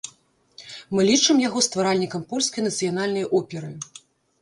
Мы лічым яго стваральнікам польскай нацыянальнай оперы.